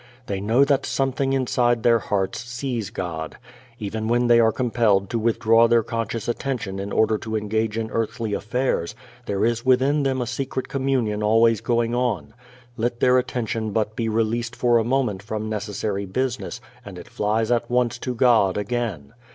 They know that something inside their hearts sees God. Even when they are compelled to withdraw their conscious attention in order to engage in earthly affairs there is within them a secret communion always going on. Let their attention but be released for a moment from necessary business and it flies at once to God again.